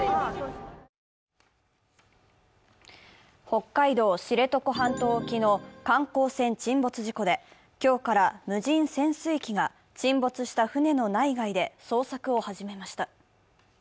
北海道知床半島沖の観光船沈没事故で、今日から無人潜水機が沈没した船の内外で捜索を始めました。